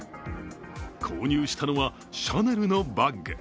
購入したのはシャネルのバッグ。